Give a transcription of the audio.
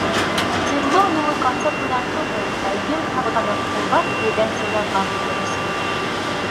Тик был юлы концерт менән түгел, ә ең һыҙғанып, ҡулдан килгәнсә ярҙам итер өсөн.